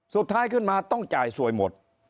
สุดท้ายขึ้นมาต้องจ่ายสวยหมด